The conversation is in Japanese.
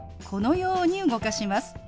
このように動かします。